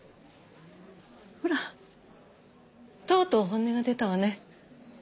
ほらとうとう本音が出たわね。